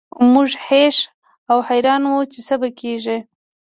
موږ هېښ او حیران وو چې څه به کیږي